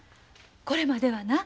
これまではな